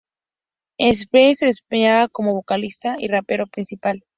En SpeXial, se desempeña como vocalista y rapero principal.